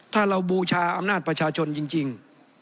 ถ้าเราบูชาอำนาจประชาชนจริง